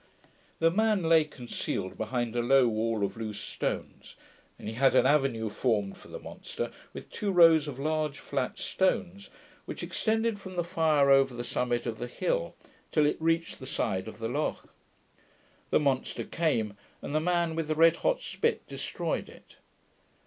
The man lay concealed behind a low wall of loose stones, and he had an avenue formed for the monster, with two rows of large flat stones, which extended from the fire over the summit of the hill, till it reached the side of the loch. The monster came, and the man with the red hot spit destroyed it.